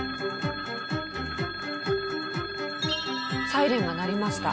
サイレンが鳴りました。